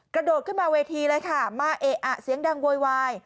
กระโดดขึ้นมาเวทีเลยค่ะมาเอะอะเสียงดังโวยวาย